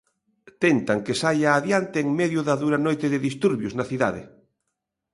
Tentan que saia adiante en medio da dura noite de disturbios na cidade.